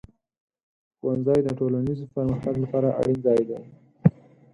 ښوونځی د ټولنیز پرمختګ لپاره اړین ځای دی.